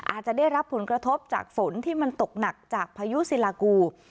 อาจจะได้รับผลกระทบจากฝนที่มันตกหนักจากพายุศิลากู